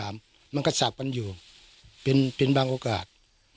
มันก็สับกันอยู่เป็นบางโอกาส